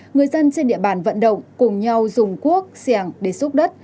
người dân trên địa bàn vận động cùng nhau dùng cuốc sẻng để xúc đất